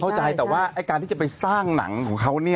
เข้าใจแต่ว่าการที่จะไปสร้างหนังของเขา